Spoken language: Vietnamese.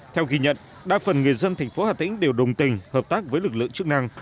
theo ghi nhận đa phần người dân thành phố hà tĩnh đều đồng tình hợp tác với lực lượng chức năng